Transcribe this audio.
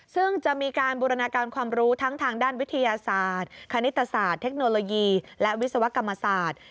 ซึ่งจะมีการบูรณาการความรู้ทั้งทางด้านวิทยาศาสตร์คณิตศาสตร์เทคโนโลยีและวิศวกรรมศาสตร์